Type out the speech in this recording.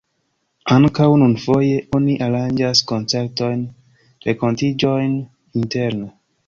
Ankaŭ nun foje oni aranĝas koncertojn, renkontiĝojn interne.